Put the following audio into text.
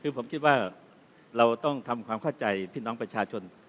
คือผมคิดว่าเราต้องทำความเข้าใจพี่น้องประชาชน